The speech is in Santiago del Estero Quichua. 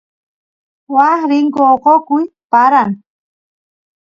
waas rinku oqoquy paran